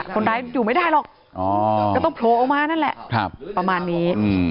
คนร้ายอยู่ไม่ได้หรอกก็ต้องโผล่ออกมานั่นแหละประมาณนี้